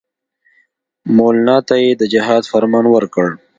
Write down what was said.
مولنا ته یې د جهاد فرمان ورکړ.